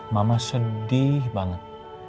mama sedih banget